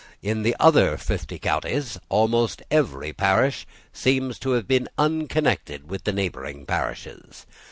In the other fifty counties almost every parish seems to have been unconnected with the neighbouring parishes.